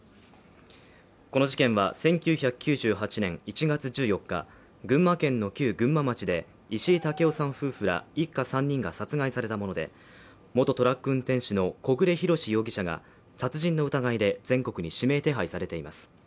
この事件は１９９８年１月４日、群馬県の旧群馬町で石井武夫さん夫婦ら一家３人が殺害されたもので、元トラック運転手の小暮洋史容疑者が殺人の疑いで全国に指名手配されています。